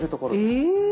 え！